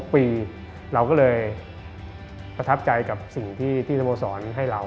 ปีเราก็เลยประทับใจกับสิ่งที่สโมสรให้เรา